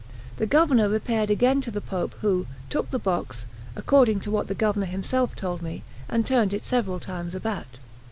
The Governor repaired again to the Pope, who took the box, according to what the Governor himself told me, and turned it several times about.